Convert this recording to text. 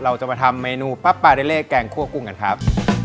เราจะมาทำเมนูปั๊บปาเล่แกงคั่วกุ้งกันครับ